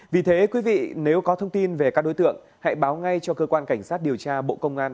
vì thế quý vị nếu có thông tin về các đối tượng hãy báo ngay cho cơ quan cảnh sát điều tra bộ công an